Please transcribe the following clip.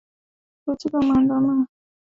katika maandamano ya awali kulingana na madaktari